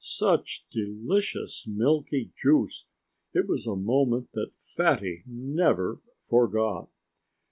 Such delicious, milky juice! It was a moment that Fatty never forgot.